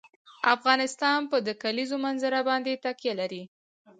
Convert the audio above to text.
افغانستان په د کلیزو منظره باندې تکیه لري.